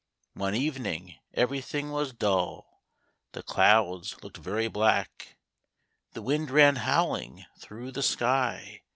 One evening everything was dull, The clouds looked very black, The wind ran howling through the sky